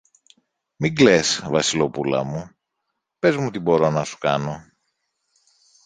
Μην κλαις, Βασιλοπούλα μου, πες μου τι μπορώ να σου κάνω!